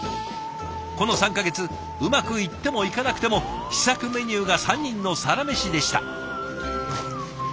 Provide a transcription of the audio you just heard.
この３か月うまくいってもいかなくても試作メニューが３人のサラメシでした。